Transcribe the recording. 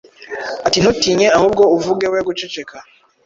ati : “Ntutinye, ahubwo uvuge, we guceceka,